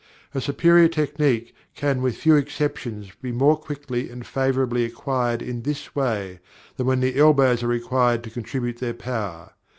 A superior technique can with few exceptions be more quickly and favorably acquired in this way than when the elbows are required to contribute their power.